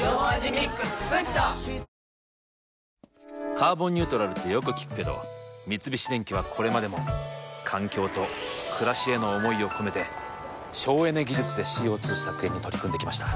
「カーボンニュートラル」ってよく聞くけど三菱電機はこれまでも環境と暮らしへの思いを込めて省エネ技術でＣＯ２削減に取り組んできました。